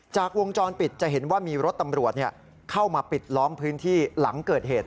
จากวงจรปิดจะเห็นว่ามีรถตำรวจเข้ามาปิดล้อมพื้นที่หลังเกิดเหตุ